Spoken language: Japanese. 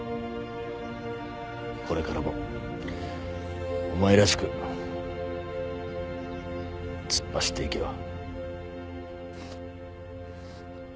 これからもお前らしく突っ走っていけよ。